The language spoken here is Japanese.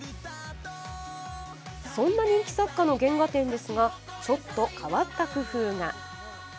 そんな人気作家の原画展ですがちょっと変わった工夫が。